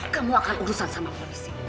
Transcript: kamu akan urusan sama polisi